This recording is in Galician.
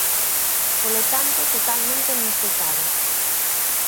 Polo tanto, totalmente mesetada.